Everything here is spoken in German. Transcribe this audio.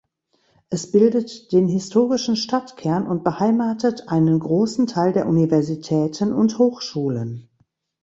Es bildet den historischen Stadtkern und beheimatet einen großen Teil der Universitäten und Hochschulen.